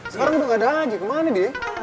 sekarang udah gak ada lagi kemana deh